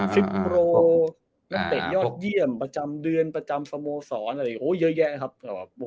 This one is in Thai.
โปรนักเตะยอดเยี่ยมประจำเดือนประจำสโมสรอะไรโอ้เยอะแยะนะครับ